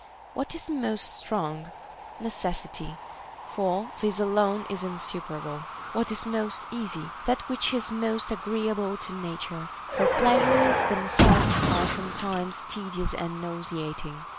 What is the most strong \ Necessity ; for this alone is in superable. What is most easy 1 That which is most agree able to nature ; for pleasures themselves are sometimes tedious and nauseating.